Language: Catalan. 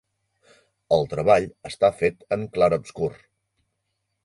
El treball està fet en clarobscur.